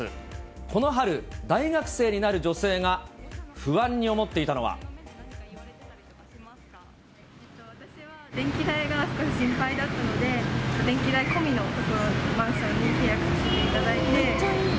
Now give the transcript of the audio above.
この春、大学生になる女性が、私は電気代が少し心配だったので、電気代込みのところ、マンションに契約させていただいて。